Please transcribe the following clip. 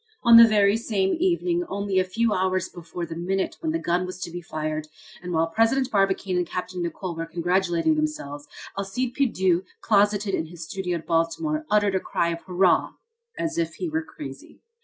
On the very same evening only a few hours before the minute when the gun was to be fired, and while President Barbicane and Capt. Nicholl were congratulating themselves, Alcide Pierdeux, closeted in his studio at Baltimore, uttered a cry of hurrah! as if he were crazy.